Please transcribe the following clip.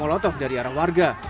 molotov dari arah warga